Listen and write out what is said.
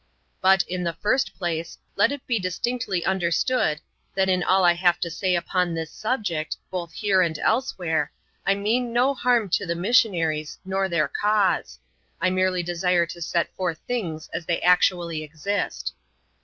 But, in the first place, let it be distinctly understood, that in all I have to say upon this subject, both here and elsewhere, I mean no harm to the missionaries, nor their cause : I merely desire to set forth things as they actually exist.